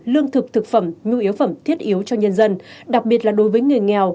lương thực thực phẩm nhu yếu phẩm thiết yếu cho nhân dân đặc biệt là đối với người nghèo